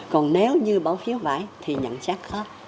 còn nếu như bỏ phiếu vậy thì nhận xét